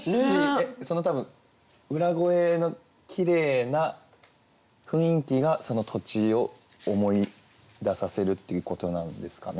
えっ多分裏声のきれいな雰囲気がその土地を思い出させるっていうことなんですかね？